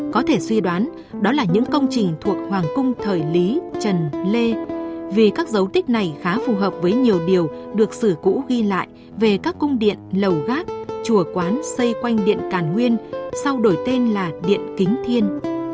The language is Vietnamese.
có thể suy đoán đó là những công trình thuộc hoàng cung thời lý trần lê vì các dấu tích này khá phù hợp với nhiều điều được sử cũ ghi lại về các cung điện lầu gác chùa quán xây quanh điện càn nguyên sau đổi tên là điện kính thiên